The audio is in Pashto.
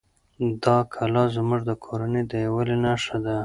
دا کلا زموږ د کورنۍ د یووالي نښه ده.